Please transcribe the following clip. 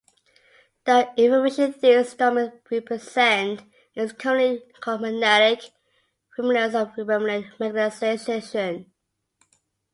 The information these domains represent is commonly called magnetic remanence or remanent magnetization.